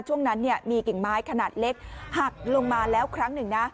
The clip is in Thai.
ช่วงนั้นมีกิ่งไม้ขนาดเล็กหักลงมาแล้วครั้งหนึ่งนะ